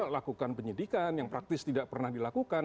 lakukan penyidikan yang praktis tidak pernah dilakukan